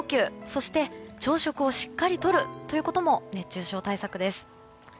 そして朝食をしっかりとることも熱中症対策です。